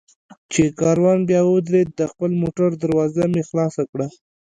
چې کاروان بیا ودرېد، د خپل موټر دروازه مې خلاصه کړه.